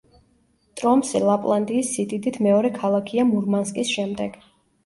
ტრომსე ლაპლანდიის სიდიდით მეორე ქალაქია მურმანსკის შემდეგ.